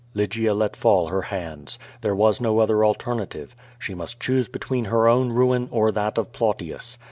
Lygia let fall her hands. There was no other alternative. She must choose between her own ruin or that of Plautius.